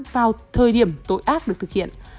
vào thời điểm tội ác được thực hiện